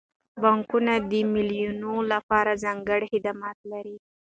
بانکونه د معلولینو لپاره ځانګړي خدمات لري.